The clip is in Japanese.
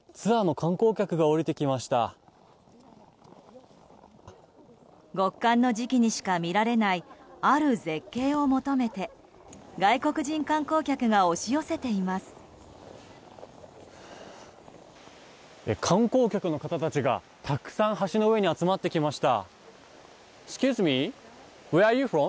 観光客の方たちがたくさん橋の上に集まってきました。